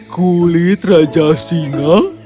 kulit raja singa